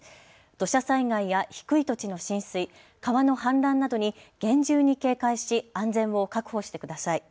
土砂災害や低い土地の浸水、川の氾濫などに厳重に警戒し安全を確保してください。